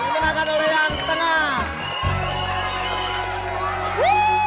menangkan oleh yang tengah